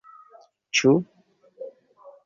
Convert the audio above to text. Ĉu.